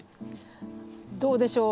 どうでしょう？